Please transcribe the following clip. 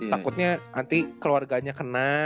takutnya nanti keluarganya kena